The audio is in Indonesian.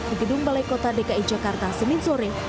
di gedung balai kota dki jakarta senin sore